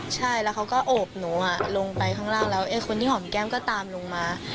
ใช่แล้วเขาก็โอบหนูลงไปข้างล่างแล้วคนที่หอมแก้มก็ตามลงมา